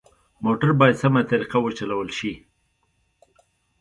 موټر باید سمه طریقه وچلول شي.